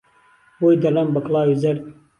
بۆی دهڵێم به کڵاوی زهرد